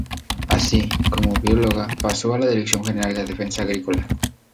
Así, como bióloga pasó a la Dirección General de Defensa Agrícola.